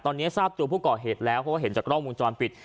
ตอนนี้ทราบตัวผู้กรเหตุแล้วเพราะเห็นจากร่องมุมจรปิด